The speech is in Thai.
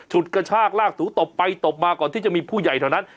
กระชากลากถูตบไปตบมาก่อนที่จะมีผู้ใหญ่เท่านั้น